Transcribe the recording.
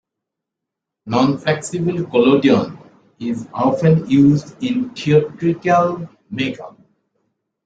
Non-flexible collodion is often used in theatrical make-up.